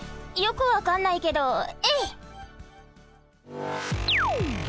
よくわかんないけどえいっ！